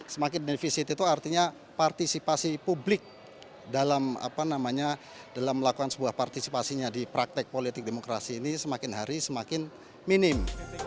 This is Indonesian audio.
semakin defisit itu artinya partisipasi publik dalam melakukan sebuah partisipasinya di praktek politik demokrasi ini semakin hari semakin minim